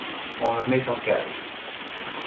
On me met en cage